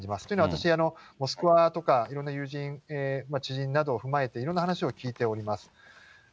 というのは私、モスクワとかいろんな友人、知人などを踏まえていろんな話を聞いております。